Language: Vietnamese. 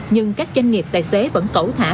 nhưng các doanh nghiệp tài xế vẫn cẩu thả